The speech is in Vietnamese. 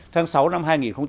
tháng sáu năm hai nghìn chín